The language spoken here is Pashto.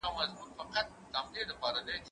پلان د ښوونکي له خوا منظميږي